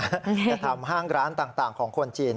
จะทำห้างร้านต่างของคนจีน